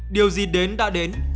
điều gì đến đã đến